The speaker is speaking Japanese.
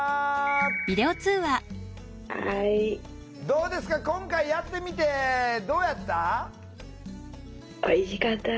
どうですか今回やってみてどうやった？よかった。